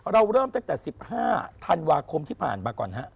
เริ่มตั้งแต่๑๕ธันวาคมที่ผ่านมาก่อนฮะ